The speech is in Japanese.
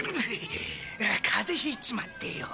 風邪ひいちまってよ。